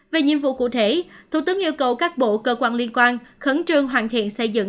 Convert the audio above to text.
về nhiệm vụ cụ thể thủ tướng yêu cầu các bộ cơ quan liên quan khẩn trương hoàn thiện xây dựng